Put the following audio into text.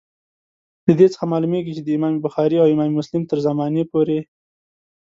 له دې څخه معلومیږي چي د امام بخاري او امام مسلم تر زمانې پوري.